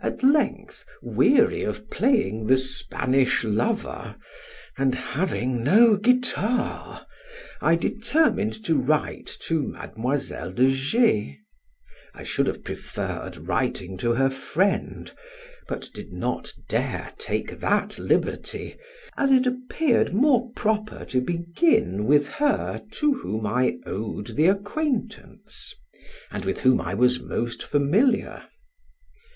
At length, weary of playing the Spanish lover, and having no guitar, I determined to write to Mademoiselle de G . I should have preferred writing to her friend, but did not dare take that liberty, as it appeared more proper to begin with her to whom I owed the acquaintance, and with whom I was most familiar.